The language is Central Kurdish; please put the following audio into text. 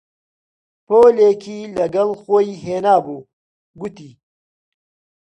پووڵێکی لەگەڵ خۆی هێنابوو، گوتی: